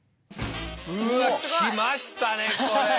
うわ来ましたねこれ！